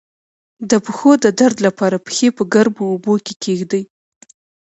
د پښو د درد لپاره پښې په ګرمو اوبو کې کیږدئ